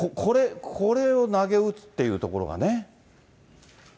これを投げうつっていうところがね。